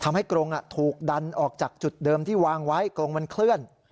กรงถูกดันออกจากจุดเดิมที่วางไว้กรงมันเคลื่อน